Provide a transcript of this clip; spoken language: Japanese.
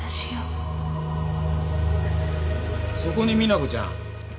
そこに実那子ちゃん